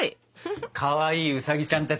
かわいいウサギちゃんたち